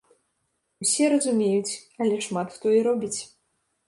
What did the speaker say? Усе разумеюць, але шмат хто і робіць.